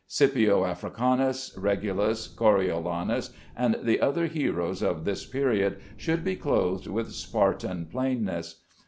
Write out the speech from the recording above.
Scipio Africanus, Regulus, Coriolanus, and the other heroes of this period, should be clothed with Spartan plainness.